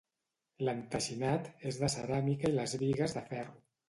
L'enteixinat és de ceràmica i les bigues de ferro.